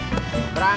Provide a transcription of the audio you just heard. gak ada de